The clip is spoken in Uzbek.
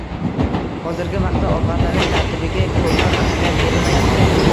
Hozirgi vaqtda ovqatlanish tartibiga ko‘pam ahamiyat berilmayapti.